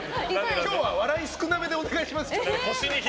今日は笑い少なめでお願いします。